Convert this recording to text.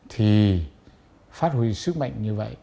thì phát huy sức mạnh như vậy